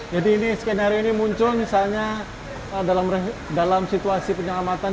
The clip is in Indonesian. jadi ini skenario ini muncul misalnya dalam situasi penyelamatannya